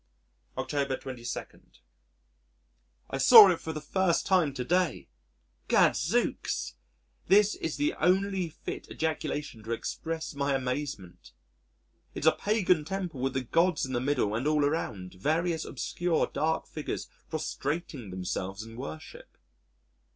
October 22. The British Museum Reading Room I saw it for the first time to day! Gadzooks!! This is the only fit ejaculation to express my amazement! It's a pagan temple with the Gods in the middle and all around, various obscure dark figures prostrating themselves in worship.